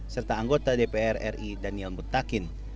serta anggota dpr ri daniel mutakin